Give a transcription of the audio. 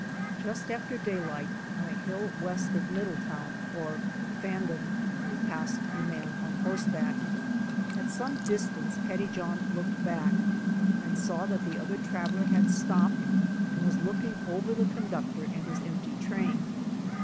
Just after daylight on a hill west of Middletown, or Fan don, he passed a man on horseback. At some distance Petty john looked back and saw that the other traveler had stopped and was looking over the conductor and his empty train.